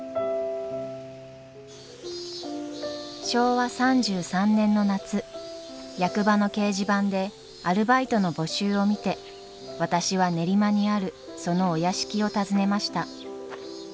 昭和３３年の夏役場の掲示板でアルバイトの募集を見て私は練馬にあるそのお屋敷を訪ねました